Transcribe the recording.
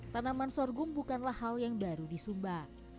tanaman sorghum bukanlah hal yang baru di sumba